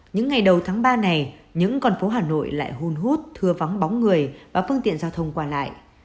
những ngày đầu tháng ba này những con phố hà nội lại hôn hút thưa vắng bóng người và phương tiện giao thông qua lại